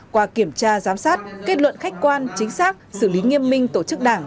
qua kiểm tra giám sát kết luận khách quan chính xác xử lý nghiêm minh tổ chức đảng